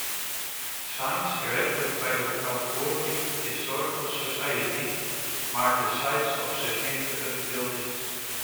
Signs erected by the Kalgoorlie Historical society mark the sites of significant buildings.